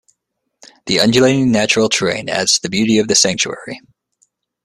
The undulating natural terrain adds to the beauty of the sanctuary.